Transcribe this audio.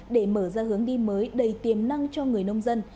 để mở ra hướng đi mới đầy tiềm năng cho người nông dân